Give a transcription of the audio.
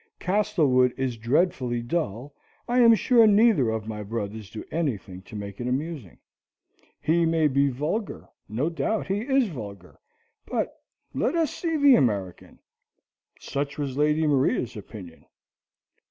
Castlewood is dreadfully dull, I am sure neither of my brothers do anything to make it amusing. He may be vulgar no doubt, he is vulgar but let us see the American. Such was Lady Maria's opinion.